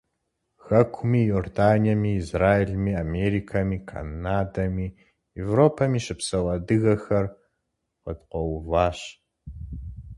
Хэкуми, Иорданиеми, Израилми, Америкэми, Канадэми, Европэми щыпсэу адыгэхэр къыткъуэуващ.